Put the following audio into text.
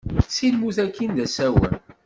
Si lmut akin d asawen.